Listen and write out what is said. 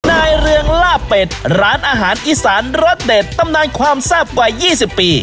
นายเรืองลาบเป็ดร้านอาหารอีสานรสเด็ดตำนานความแซ่บกว่า๒๐ปี